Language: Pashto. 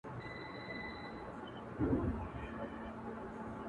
o پوره، ورک دي کړه دوه کوره٫